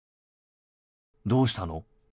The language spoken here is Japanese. どうしたの？